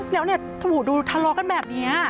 แล้วเนี่ยถูกดูทะเลาะกันแบบนี้